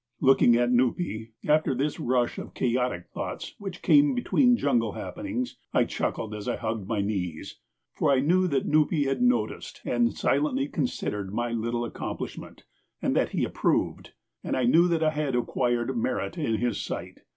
Looking at Nupee after this rush of chaotic thoughts which came between jungle happenings, I chuckled as I hugged my knees, for I knew that Nupee had noticed and silently considered my little accomplishment, and that he approved, and I knew that I had acquired merit in his sight.